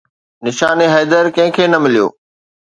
نشان حيدر ڪنهن کي نه مليو